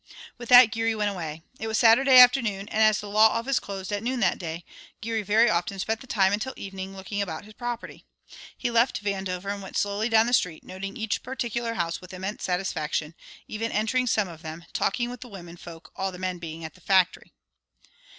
With that Geary went away. It was Saturday afternoon, and as the law office closed at noon that day, Geary very often spent the time until evening looking about his property. He left Vandover and went slowly down the street, noting each particular house with immense satisfaction, even entering some of them, talking with the womenfolk, all the men being at the factory.